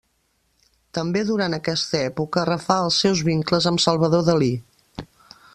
També durant aquesta època refà els seus vincles amb Salvador Dalí.